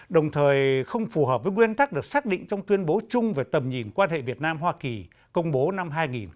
đồng thời không phù hợp với nguyên tắc được xác định trong tuyên bố chung về tầm nhìn quan hệ việt nam hoa kỳ công bố năm hai nghìn hai mươi